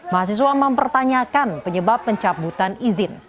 mahasiswa mempertanyakan penyebab pencabutan izin